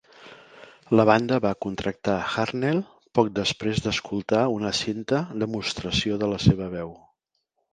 La banda va contractar Harnell poc després d'escoltar una cinta demostració de la seva veu.